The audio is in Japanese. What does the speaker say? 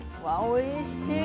おいしい。